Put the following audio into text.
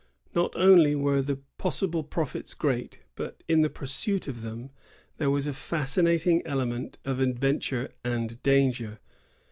Not only were the possible profits great; but, in the pursuit of them, there was a fasci nating element of adventure and danger.